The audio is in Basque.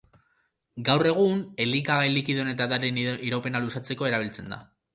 Gaur egun, elikagai likidoen eta edarien iraupena luzatzeko erabiltzen da.